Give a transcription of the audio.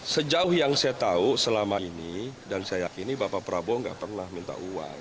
sejauh yang saya tahu selama ini dan saya yakini bapak prabowo nggak pernah minta uang